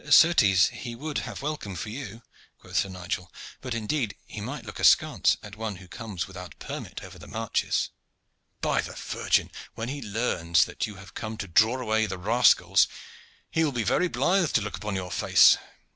"Certes, he would have a welcome for you," quoth Sir Nigel; "but indeed he might look askance at one who comes without permit over the marches." "By the Virgin! when he learns that you have come to draw away these rascals he will be very blithe to look upon your face.